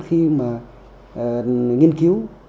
khi mà nghiên cứu